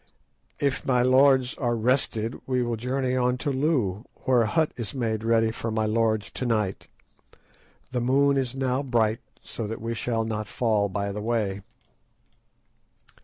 "If my lords are rested we will journey on to Loo, where a hut is made ready for my lords to night. The moon is now bright, so that we shall not fall by the way."